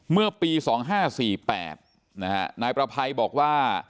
เมื่อปี๒๕๔๘นายประภัยบอกว่า